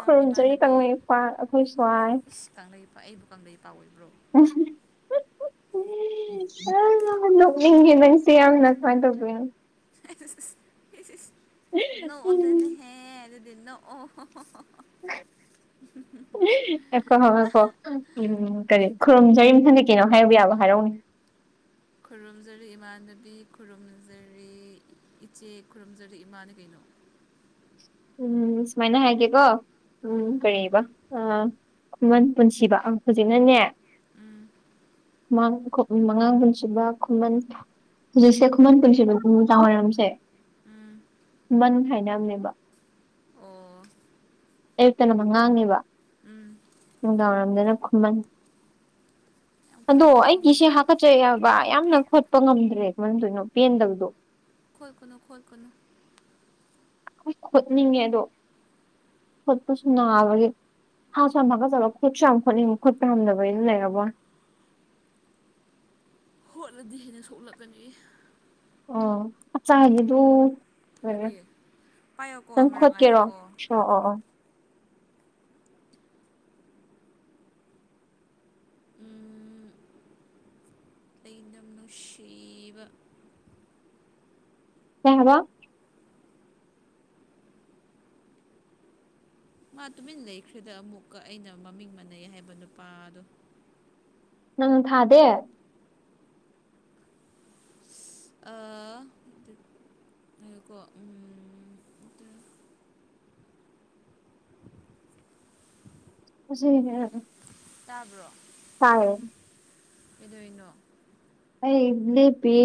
ꯈꯨꯔꯨꯝꯖꯔꯤ ꯏꯃꯥꯟꯅꯕꯤ ꯀꯪꯂꯩ ꯄꯥꯛ ꯑꯩꯈꯣꯏ ꯁ꯭ꯋꯥꯏ ꯀꯪꯂꯩ ꯑꯩꯕꯨ ꯀꯪꯂꯩꯩ ꯄꯥꯎ ꯑꯣꯏꯕ꯭ꯔꯣ [inaudible] ꯅꯣꯛꯅꯤꯡꯉꯤ ꯅꯪꯁꯦ ꯌꯥꯝꯅ ꯀꯃꯥꯏꯅ ꯇꯧꯗꯣꯏꯅꯣ ꯅꯣꯛꯑꯣꯗꯥꯅ ꯍꯦ ꯑꯗꯨ ꯑꯗꯨꯗꯤ ꯅꯣꯛ [unintelligible] ꯉꯥꯢꯈꯣ ꯉꯥꯢꯈꯣ ꯎꯝ ꯀꯔꯤ ꯈꯨꯔꯨꯝꯖꯔꯤ ꯃꯥꯊꯪꯗꯤ ꯀꯩꯅꯣꯝ ꯍꯥꯏꯕ ꯌꯥꯕ ꯍꯥꯏꯔꯛꯑꯣꯅꯦ ꯈꯨꯔꯨꯝꯖꯔꯤ ꯏꯃꯥꯟꯅꯕꯤ ꯈꯨꯔꯨꯝꯖꯔꯤ ꯏꯆꯦ ꯈꯨꯔꯨꯝꯖꯔꯤ ꯏꯃꯥꯅꯦ ꯀꯩꯅꯣ ꯎꯝ ꯁꯨꯃꯥꯏꯅ ꯍꯥꯏꯔꯛꯀꯦꯀꯣ ꯎꯝ ꯀꯔꯤꯕ ꯑꯥ ꯈꯨꯃꯟ ꯄꯨꯟꯁꯤꯕ ꯍꯧꯖꯤꯛꯅꯅꯦ ꯎꯝ ꯥ ꯃꯥꯉꯥꯡ ꯄꯨꯟꯁꯤꯕ ꯈꯨꯃꯟ ꯍꯧꯖꯤꯛꯁꯦ ꯈꯨꯃꯟ ꯄꯨꯟꯁꯤꯕꯅꯦ ꯅꯨꯃꯤꯗꯥꯡꯋꯥꯏꯔꯝꯁꯦ ꯈꯨꯃꯟ ꯍꯥꯏꯅꯕꯅꯦꯕ ꯑꯌꯨꯛꯇꯅ ꯃꯉꯥꯡꯅꯦꯕ ꯅꯨꯡꯗꯥꯡꯋꯥꯏꯔꯝꯗꯅ ꯈꯨꯃꯟ ꯑꯗꯣ ꯑꯩꯒꯤꯁꯦ ꯍꯥꯀꯠꯆꯩ ꯌꯥꯕ ꯌꯥꯝꯅ ꯈꯣꯠꯄ ꯉꯝꯗ꯭ꯔꯦ ꯃꯔꯝꯗꯣꯏꯅꯣ ꯄꯦꯟꯗꯕꯗꯣ ꯈꯣꯠ ꯀꯅꯨ ꯈꯣꯘ ꯀꯅꯨ ꯍꯣꯏ ꯈꯣꯠꯅꯤꯡꯉꯦ ꯑꯗꯣ ꯈꯣꯠꯄꯁꯨ ꯅꯥꯕꯒꯤ ꯍꯥ ꯁꯨ ꯌꯥꯝꯒꯠ ꯆꯠꯕ ꯈꯣꯠꯁꯨ ꯌꯥꯝ ꯈꯣꯠꯄ ꯈꯣꯠꯄꯥ ꯉꯝꯗꯕꯒꯤ ꯂꯩꯔꯕ ꯋꯥꯅꯦ ꯍꯣꯠꯂꯗꯤ ꯍꯦꯟꯅ ꯁꯣꯛꯂꯛꯀꯅꯤ ꯑꯣ ꯑꯆꯥꯒꯤꯗꯨ ꯀꯔꯤ ꯄꯥꯏꯌꯣꯀꯣ ꯑꯃꯔꯛ ꯈꯣꯠꯀꯦꯔꯣ ꯉꯥꯏꯌ‌ꯣꯀꯣ ꯑꯣ ꯑꯣ ꯑꯣ ꯑꯩ ꯅꯪ ꯅꯨꯡꯁꯤꯕ ꯀꯩ ꯍꯥꯏꯕ ꯃꯥ ꯇꯨꯃꯤꯟ ꯂꯩꯈ꯭ꯔꯦꯗ ꯑꯃꯨꯛꯀ ꯑꯩꯅ ꯃꯃꯤꯡ ꯃꯥꯟꯅꯩ ꯍꯥꯏꯕ ꯅꯨꯄꯥꯗꯣ ꯅꯪ ꯊꯥꯗꯦ ꯑꯥ [unintelligible] ꯉꯥꯏꯈ‌ꯣꯀꯣ ꯎꯝ [unintelligible] ꯇꯥꯕ꯭ꯔꯣ ꯇꯥꯏ ꯀꯩꯗꯧꯋꯤꯅꯣ ꯑꯩ ꯂ‌ꯦꯞꯄꯤ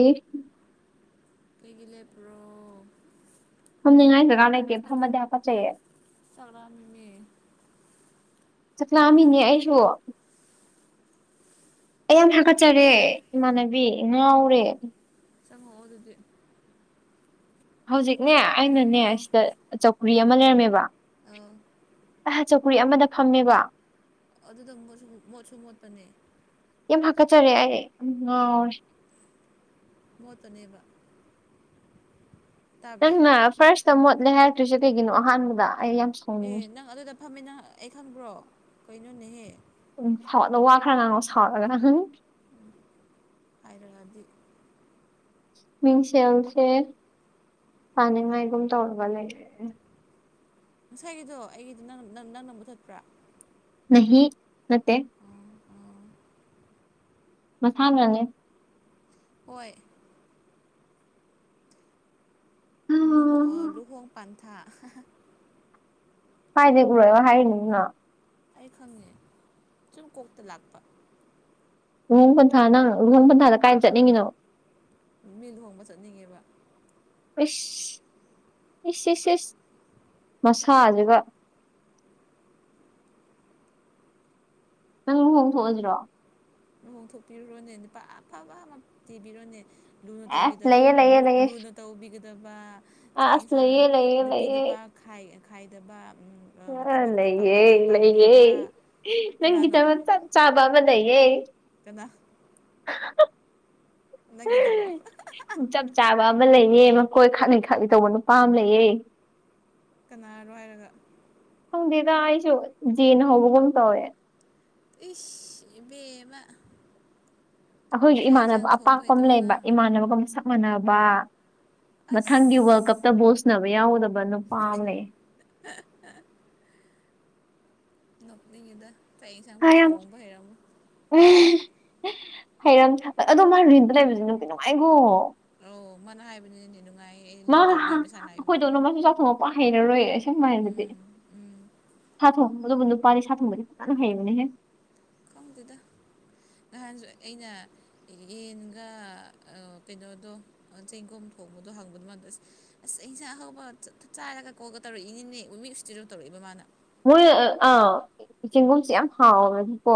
ꯀꯩꯒꯤ ꯂꯦꯞꯄ꯭ꯔꯣ ꯐꯝꯅꯤꯡꯉꯥꯏ ꯖꯒꯥ ꯂꯩꯇꯦ ꯐꯝꯃꯗꯤ ꯍꯥꯀꯠꯆꯩꯌꯦ ꯆꯥꯛ ꯔꯥꯝꯃꯤ ꯆꯥꯛ ꯂꯥꯝꯃꯤꯅꯦ ꯑꯩꯁꯨ ꯑꯩ ꯌꯥꯝ ꯀꯃꯥꯏ ꯍꯥꯀꯠꯆꯔꯦ ꯏꯃꯥꯟꯅꯕꯤ ꯉꯥꯎꯔꯦ ꯆꯪꯉꯛꯑꯣ ꯑꯗꯨꯗꯤ ꯍꯧꯖꯤꯛꯅꯦ ꯑꯩꯅꯅꯦ ꯑꯧ ꯁꯤꯗ ꯆꯧꯀ꯭ꯔꯤ ꯑꯃ ꯂꯩꯔꯝꯃꯦꯕ ꯑꯥ ꯑꯍ ꯆꯧꯀ꯭ꯔꯤ ꯑꯃꯗ ꯐꯝꯃꯦꯕ ꯑꯗꯨꯗꯪ ꯃꯣꯠꯁꯨ ꯃꯣꯠꯁꯨ ꯃꯣꯠꯄꯅꯦ ꯌꯥꯝ ꯍꯥꯀꯠꯆꯔ‍‌ꯦ ꯑꯩ ꯉꯥꯎꯔ‌ꯦ ꯃꯣꯠꯄꯅꯦꯕ ꯇꯥꯕ꯭ꯔꯣ ꯅꯪꯅ ꯐꯥꯔ꯭ꯁꯇ ꯃꯣꯠꯂꯦ ꯍꯥꯏꯔꯛꯇ꯭ꯔꯤꯁꯦ ꯀꯩꯒꯤꯅꯣ ꯑꯍꯥꯟꯕꯗ ꯑꯩ ꯌꯥꯝ ꯁ ꯑꯦ ꯅꯪ ꯑꯗꯨꯗ ꯐꯝꯃꯤꯅ‌ ꯑꯩ ꯈꯪꯕ꯭ꯔꯣ ꯀꯩꯅꯣꯅꯦꯍꯦ ꯎꯝ ꯁꯥꯎꯠꯂ ꯋꯥ ꯈꯔ ꯉꯥꯡꯉꯣ ꯁꯥꯎꯠꯂꯒ ꯎꯝ ꯍꯥꯏꯔ‌ꯑꯗꯤ ꯃꯤꯡꯁꯦꯜꯁꯦ ꯄꯥꯅꯤꯡꯉꯥꯏꯒꯨꯝ ꯇꯧꯔꯒ ꯂꯩꯔꯦ ꯉꯁꯥꯏꯒꯤꯗꯣ ꯑꯩꯒꯤꯗꯤ ꯅ ꯅ ꯅꯪꯅ ꯃꯨꯊꯠꯄ꯭ꯔꯥ ꯅꯍꯤ ꯅꯠꯇꯦ ꯑꯣ ꯃꯁꯥꯥꯅꯅꯦ ꯍꯣꯏ ꯂꯨꯍ‌ꯣ ꯂꯨꯍꯣꯡ ꯄꯥꯟꯊꯥ ꯍꯥꯏꯗꯤꯛꯔ‌ꯣ [unintelligible] ꯍꯥꯏꯅꯤꯡꯔ‌ꯣ ꯑꯩ ꯈꯪꯉꯦ ꯁꯨꯝ ꯀꯣꯛꯇ ꯂꯥꯛꯄ ꯂꯨꯍꯣꯡ ꯄꯟꯊꯥ ꯅꯪ ꯂꯨꯍꯣꯡ ꯄꯟꯊꯥꯗ ꯀꯥꯏ ꯆꯠꯅꯤꯡꯉꯤꯅꯣ ꯃꯤ ꯂꯨꯍꯣꯡꯕ ꯆꯠꯅꯤꯡꯉꯦꯕ ꯏꯁ ꯏꯁ ꯏꯁ ꯏꯁ ꯃꯁꯥꯁꯤꯒ ꯅꯪ ꯂꯨꯍꯣꯡꯊ‌ꯣꯛꯑꯁꯤꯔꯣ ꯂꯨꯍꯣꯡꯊꯣꯛꯄꯤꯔꯨꯔꯣꯅꯦ ꯅꯨꯄꯥ ꯑꯐꯕ ꯑꯃ ꯊꯤꯕꯤꯔꯣꯅꯦ ꯂꯨꯅ ꯑꯦꯁ ꯇꯧꯕꯤꯗꯕ ꯂꯩꯌꯦ ꯂꯩꯌꯦ ꯂꯨ ꯂꯩꯌꯦ ꯂꯨꯅ ꯇꯧꯕꯤꯒꯗꯕ ꯆꯥꯛ ꯑꯁ ꯌꯦꯟꯁꯥꯡ ꯂꯩꯌꯦ ꯂꯩꯌꯦ ꯅꯨꯄꯤ ꯂꯩꯌꯦ ꯅꯨꯄꯥ ꯈꯥꯏ ꯈꯥꯏꯗꯕ ꯎꯝ ꯑꯥ ꯂꯩꯌꯦ ꯂꯩꯌꯦ ꯅꯪꯒꯤ ꯀꯅꯥꯅꯣ ꯊꯕꯛ ꯆꯠ ꯆꯥꯕ ꯑꯃ ꯂꯩꯌꯦ ꯀꯅꯥ [unintelligible] ꯅꯪꯒꯤꯗꯨꯔꯣ ꯆꯞ ꯆꯥꯕ ꯑꯃ ꯂꯩꯌꯦ ꯃꯈꯣꯏ ꯈꯥꯛꯅꯤ ꯈꯥꯛꯅꯤ ꯇꯧꯕ ꯅꯨꯄꯥ ꯑꯃ ꯂꯩꯌꯦ ꯀꯅꯥꯔꯣ ꯍꯥꯏꯔꯒ ꯈꯪꯗꯦꯗ ꯑꯩꯁꯨ ꯖꯦꯅ ꯍꯧꯕꯒꯨꯝ ꯇꯧꯋꯦ ꯏꯁ ꯏꯕꯦꯝꯃꯥ ꯑꯩꯈꯣꯏꯖꯨ ꯏꯃꯥꯟꯅꯕ ꯊꯣꯡꯕ ꯑꯄꯥꯛꯄ ꯑꯃ ꯍꯩꯇꯕ ꯂꯩꯕ ꯏꯃꯥꯟꯅꯕꯒ ꯃꯁꯛ ꯃꯥꯟꯅꯕ ꯃꯊꯪꯒꯤ ꯋꯥꯔꯜ ꯑꯁ ꯀꯞꯇꯥ ꯕꯣꯜ ꯁꯟꯅꯕ ꯌꯥꯎꯒꯗꯕ ꯅꯨꯄꯥ ꯑꯃ ꯂꯩ [unintelligible] ꯅꯣꯛꯅꯦꯗ ꯆꯥꯛ ꯍꯥ ꯌꯦꯟꯁꯥꯡꯐꯥꯎ ꯌꯥꯝ ꯊꯣꯡꯕ ꯍꯩꯔꯝꯃꯣꯏ [unintelligible] ꯍꯩꯔꯝ ꯑꯗꯣ ꯃꯥ ꯔꯤꯟꯇꯥ ꯂꯩꯕꯖꯨ ꯅꯨꯡꯇꯤ ꯅꯨꯡꯉꯥꯏꯒꯣ ꯑꯧ ꯃꯥꯅ ꯍꯥꯏꯕꯅꯤꯅꯦ ꯅꯨꯡꯉꯥꯏꯌꯦ ꯑꯩ ꯃꯥ ꯂꯨꯅ ꯇꯧꯕꯤ ꯃꯁꯥꯅ ꯍꯥꯏꯕꯗꯤ ꯑꯩꯈꯣꯏꯗꯧꯅꯥ ꯃꯥꯁꯨ ꯆꯥꯎꯊꯣꯡꯉꯄ ꯍꯩꯔꯔꯣꯏ ꯑꯁꯨꯃꯥꯏꯅꯗꯤ ꯎꯝ ꯁꯥ ꯊꯣꯡꯗꯕꯨ ꯅꯨꯄꯥꯅꯤ ꯁꯥ ꯊꯣꯡꯕꯗꯤ ꯐꯅꯥ ꯍꯥꯏꯕꯅꯦꯍꯦ ꯈꯪꯗꯗ ꯅꯍꯥꯟꯁꯨ ꯑꯩꯅ ꯌꯦꯟꯒ ꯑꯥ ꯀꯩꯅꯣꯗꯣ ꯆꯦꯡꯒꯨꯝ ꯊꯣꯡꯕꯗꯣ ꯍꯪꯕꯗꯨ ꯃꯗꯨ ꯑꯁ ꯑꯁ ꯏꯟꯁꯥꯡ ꯑꯍꯧꯕ ꯆꯥꯔꯒ ꯀꯜꯒꯥ ꯇꯧꯔꯛꯏ ꯏꯅꯤꯅꯦ ꯃꯤ ꯏꯁꯇꯤꯗꯣ ꯇꯧꯔꯛꯏꯕ ꯃꯥꯅ ꯃꯣꯏ ꯑꯥ ꯆꯦꯡꯒꯨꯝꯁꯦ ꯌꯥꯝ ꯍꯥꯎꯕꯅꯤꯀꯣ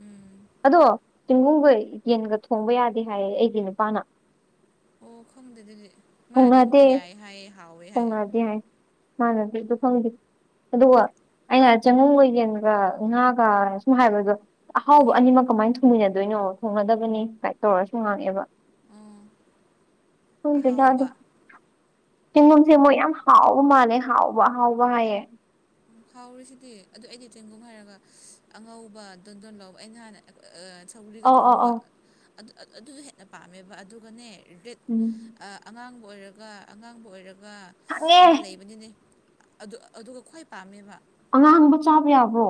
ꯎꯝ ꯑꯗꯣ ꯆꯦꯡꯒꯨꯝꯒ ꯌꯦꯟꯒ ꯊꯣꯡꯕ ꯌꯥꯗꯦ ꯍꯥꯏꯌꯦ ꯑꯩꯒꯤ ꯅꯨꯄꯥꯅ ꯑꯣ ꯈꯪꯗꯦ ꯗꯨꯗꯤ ꯃꯥꯅꯗꯤ ꯑꯃꯨꯛꯀꯥ ꯌꯥꯏ ꯍꯥꯏꯌꯦ ꯍꯥꯎꯋꯦ ꯍꯥꯏꯌꯦ ꯊꯣꯡꯅꯗꯦ ꯍꯥꯏ ꯃꯥꯥꯟꯅꯗꯤ ꯑꯗꯨ ꯈꯪꯗꯦ ꯑꯗꯨꯒ ꯑꯩꯅ ꯆꯦꯡꯒꯨꯝꯒ ꯌꯦꯟꯒ ꯉꯥꯒ ꯁꯨꯝ ꯍꯥꯏꯕꯗꯣ ꯑꯍꯥꯎꯕ ꯎꯝ ꯑꯅꯤꯃꯛ ꯀꯃꯥꯏꯟ ꯊꯣꯡꯃꯤꯟꯅꯗꯣꯏꯅꯣ ꯊꯣꯡꯅꯗꯕꯅꯤ ꯀꯥꯏꯅ ꯇꯧꯔ ꯁꯨꯝ ꯉꯥꯡꯉꯑꯦꯕ ꯎꯝ ꯈꯪꯗꯦꯗ ꯑꯗꯨ ꯑꯍꯥꯎꯕ ꯆꯦꯡꯒꯨꯝꯁꯦ ꯃꯣꯏ ꯌꯥꯝ ꯍꯥꯎꯕ ꯃꯥꯜꯂꯦ ꯍꯥꯎꯕ ꯑꯍꯥꯎꯕ ꯍꯥꯏꯌꯦ ꯍꯥꯎꯔꯤꯁꯤꯗꯤ ꯑꯗꯨ ꯑꯩꯗꯤ ꯆꯦꯡꯒꯨꯝ ꯍꯥꯏꯔꯒ ꯑꯉꯧꯕ ꯗꯣꯟ ꯗꯣꯟ ꯂꯧꯕ ꯑꯩꯅ ꯍꯥꯟꯅ ꯁꯧꯔꯤꯒ ꯑꯧ ꯑꯧ ꯊꯣꯡꯕ ꯑꯧ ꯑꯗꯨ ꯑꯗꯨꯗꯣ ꯍꯦꯟꯅ ꯄꯥꯝꯃꯦꯕ ꯑꯗꯨꯒꯅꯦ ꯔꯦꯠ ꯎꯝ ꯑꯉꯥꯡꯕ ꯑꯣꯏꯔꯒ ꯑꯉꯥꯡꯕ ꯑꯣꯏꯔꯒ ꯈꯪꯉꯦ ꯑꯃ ꯂꯩꯕꯅꯤꯅꯦ ꯑꯗꯨ ꯑꯗꯨꯒ ꯈ꯭ꯋꯥꯏ ꯄꯥꯝꯃꯦꯕ ꯑꯉꯥꯡꯕ ꯆꯥꯕ ꯌꯥꯕ꯭ꯔꯣ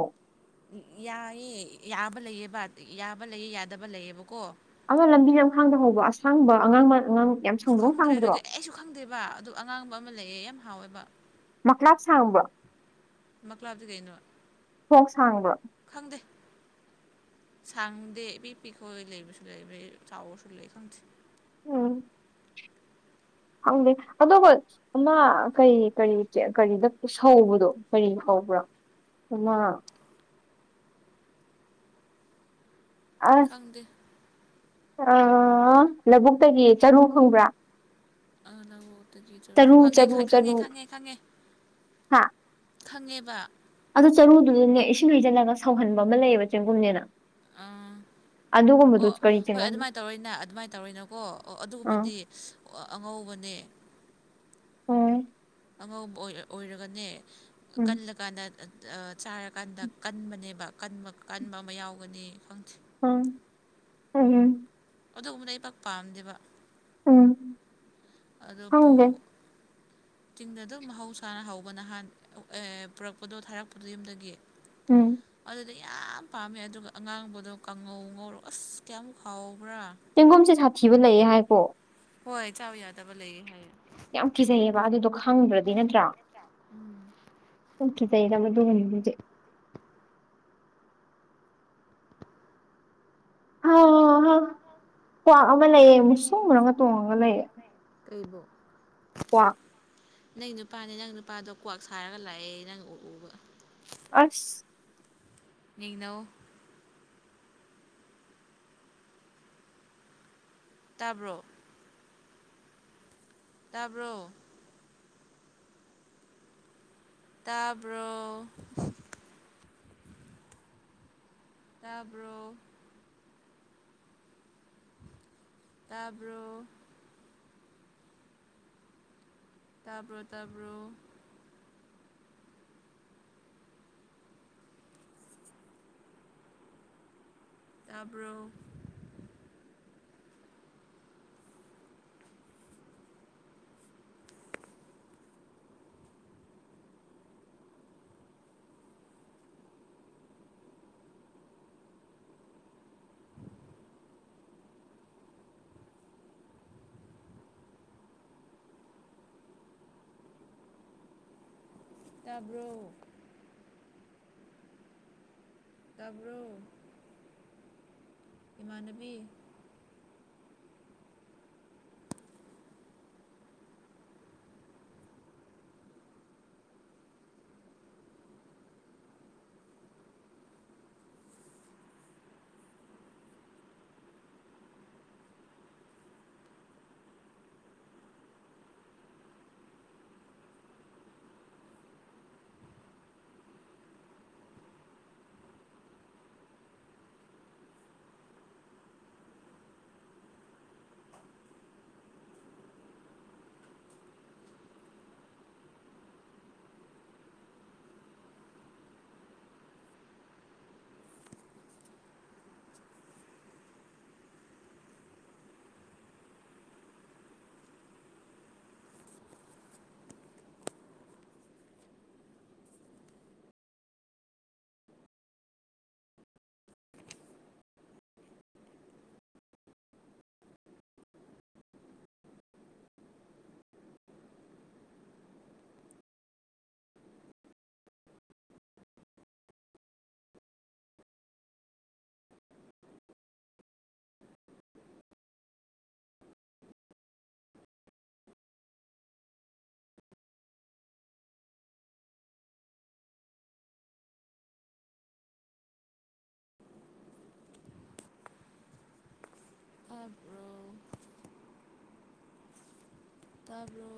ꯌꯥꯌꯦ ꯌꯥꯕ ꯂꯩꯑꯦꯕ ꯌꯥꯕ ꯂꯩ ꯌꯥꯗꯕ ꯂꯩꯑꯦꯕꯀꯣ ꯑꯃ ꯂꯝꯕꯤ ꯂꯝꯈꯥꯡꯗ ꯍꯧꯕ ꯑꯁꯥꯡꯕ ꯑꯉꯥꯡꯕ ꯑꯉꯥꯡ ꯌꯥꯝ ꯑꯁ ꯁꯥꯡꯕꯗꯧ ꯈꯪꯗ꯭ꯔꯦ ꯁꯥꯡꯕꯗꯨꯔꯣ ꯑꯗꯨꯗꯤ ꯑꯩꯁꯨ ꯈꯪꯗꯦꯕ ꯑꯗꯨ ꯑꯉꯥꯡꯕ ꯑꯃ ꯂꯩꯌꯦ ꯌꯥꯝ ꯍꯥꯎꯋꯦꯕ ꯃꯀ꯭ꯂꯥꯛ ꯁꯥꯡꯕ꯭ꯔꯣ ꯃꯀ꯭ꯂꯥꯛꯇꯤ ꯀꯩꯅꯣ ꯈꯣꯛ ꯁꯥꯡꯕ꯭ꯔꯣ ꯈꯪꯗꯦ ꯁꯥꯡꯗꯦ ꯏꯄꯤꯛ ꯄꯤꯈꯣꯏ ꯂꯩꯕꯁꯨ ꯂꯩꯕꯩ ꯆꯥꯎꯕꯁꯨ ꯂꯩ ꯈꯪꯗꯦ ꯎꯝ ꯈꯪꯗꯦ ꯑꯗꯨꯒ ꯑꯃ ꯀꯔꯤ ꯀꯔꯤ ꯀꯔꯤꯗ ꯁꯧꯕꯗꯣ ꯀꯔꯤ ꯀꯧꯕ꯭ꯔꯥ ꯑꯃ ꯑꯁ ꯈꯪꯗꯦ ꯑ ꯂꯧꯕꯨꯛꯇꯒꯤ ꯆꯔꯨ ꯈꯪꯕ꯭ꯔꯥ ꯑ ꯂꯧꯕꯨꯛꯇꯒꯤ ꯆꯔꯨ ꯈꯪꯉꯦ ꯈꯪꯉꯦ ꯈꯪꯉꯦ ꯈꯪꯉꯦ ꯍꯥ ꯈꯪꯉꯦꯕ ꯑꯗꯨ ꯆꯔꯨꯗꯨꯗꯅꯦ ꯏꯁꯤꯡ ꯍꯩꯖꯤꯜꯂꯒ ꯁꯧꯍꯟꯕ ꯑꯃ ꯂꯩꯌꯦꯕ ꯆꯦꯡꯒꯨꯝꯅꯦꯅ ꯑꯥ ꯑꯗꯨꯒꯨꯝꯕꯗꯨ ꯑꯣ ꯀꯔꯤ ꯍꯣꯏ ꯆꯦꯡꯒꯨꯝ ꯑꯗꯨꯃꯥꯏꯅ ꯇꯧꯔꯣꯏꯅ ꯑꯗꯨꯃꯥꯏꯅ ꯇꯧꯔꯏꯅꯀꯣ ꯑꯣ ꯑꯥ ꯑꯗꯨꯒꯨꯝꯕꯗꯤ ꯑꯉꯧꯕꯅꯦ ꯎꯝ ꯑꯉꯧꯕ ꯑꫭꯏꯔ ꯑꯣꯏꯔꯒꯅꯦ ꯎꯝ ꯀꯜꯂꯀꯥꯟꯗ ꯆꯥꯔꯀꯥꯟꯗ ꯀꯟꯕꯅꯦꯕ ꯀꯟꯕ ꯀꯟꯕ ꯑꯃ ꯌꯥꯎꯒꯅꯤ ꯈꯪꯗꯦ꯫ ꯑꯝ ꯎꯝ ꯑꯗꯨꯒꯨꯝꯕꯗꫭ ꯑꯩ ꯄꯥꯛ ꯄꯥꯝꯗꯦꯕ ꯎꯝ ꯑꯗꯨꯕꯨ ꯈꯪꯗꯦ ꯆꯤꯡꯗ ꯑꯗꯨꯝ ꯃꯍꯧꯁꯥꯅ ꯍꯧꯕ ꯅꯍꯥꯟ ꯄꯨꯔꯛꯄꯗꯣ ꯊꯥꯔꯛꯄꯗꯣ ꯌꯨꯝꯗꯒꯤ꯫ ꯎꯝ ꯑꯗꯨꯗꯤ ꯌꯥꯝ ꯄꯥꯝꯃꯦ ꯑꯗꯨꯒ ꯑꯉꯥꯡꯕꯗꯣ ꯀꯥꯡꯉꯧ ꯉꯧꯔꯣ ꯑꯁ ꯀꯌꯥꯝꯃꯨꯛ ꯍꯥꯎꯕ꯭ꯔꯥ ꯆꯦꯡꯒꯨꯝꯁꯦ ꯁꯥꯊꯤꯕ ꯂꯩꯌꯦ ꯍꯥꯏꯀꯣ ꯍꯣꯏ ꯆꯥꯕ ꯌꯥꯗꯕ ꯂꯩꯌꯦ ꯍꯥꯏꯌꯦ ꯌꯥꯝ ꯀꯤꯖꯩꯑꯕ ꯑꯗꯨꯗꯣ ꯈꯪꯗ꯭ꯔꯗꯤ ꯅꯠꯇ꯭ꯔꯥ ꯎꯝ꯫ ꯍꯝ ꯀꯤꯖꯩꯗ ꯃꯗꯨꯒꯨꯝꯕꯗꯨꯗꯤ ꯍꯥ ꯀ꯭ꯋꯥꯛ ꯑꯃ ꯂꯩꯌꯦ ꯃꯨꯁꯨꯨꯝ ꯃꯨꯔꯨꯝꯒ ꯇꯣꯡꯉꯒ ꯂꯩꯌꯦ꯫ ꯀꯩꯕꯣ ꯀ꯭ꯋꯥꯛ ꯅꯪ ꯅꯨꯄꯥꯅꯦ ꯅꯪ ꯅꯨꯄꯥꯗꯣ ꯀ꯭ꯋꯥꯛ ꯁꯥꯔꯒ ꯂꯥꯛꯑꯦ ꯅꯪ ꯎ ꯎꯕ ꯑꯁ ꯅꯤꯡꯅꯧ ꯇꯥꯕ꯭ꯔꯣ ꯇꯥꯕ꯭ꯔꯣ ꯇꯥꯕ꯭ꯔꯣ ꯇꯥꯕ꯭ꯔꯣ ꯇꯥꯕ꯭ꯔꯣ ꯇꯥꯕ꯭ꯔꯣ ꯇꯥꯕ꯭ꯔꯣ ꯇꯥꯕ꯭ꯔꯣ ꯇꯥꯕ꯭ꯔꯣ ꯇꯥꯕ꯭ꯔꯣ ꯏꯃꯥꯟꯅꯕꯤ ꯇꯥꯕ꯭ꯔꯣ ꯇꯥꯕ꯭ꯔꯣ